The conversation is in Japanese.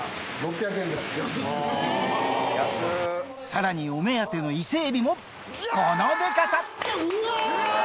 さらにお目当ての伊勢海老もこのでかさ！